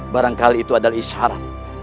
barangkali itu adalah isyarat